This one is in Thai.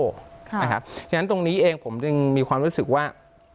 เพราะฉะนั้นตรงนี้เองผมจึงมีความรู้สึกว่า